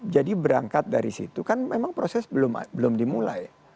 jadi berangkat dari situ kan memang proses belum dimulai